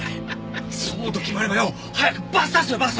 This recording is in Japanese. そうと決まればよ早くバス出せよバス！